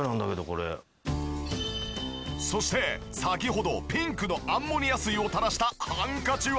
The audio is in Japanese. そして先ほどピンクのアンモニア水を垂らしたハンカチは。